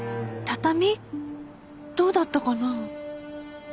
畳？どうだったかな？